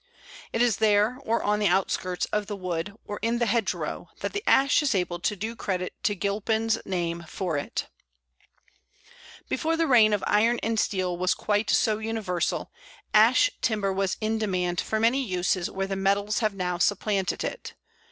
It is there, or on the outskirts of the wood, or in the hedgerow, that the Ash is able to do credit to Gilpin's name for it. [Illustration: Ash.] Before the reign of iron and steel was quite so universal, Ash timber was in demand for many uses where the metals have now supplanted it.